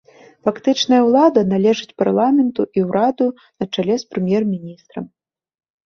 Фактычная ўлада належыць парламенту і ўраду на чале з прэм'ер-міністрам.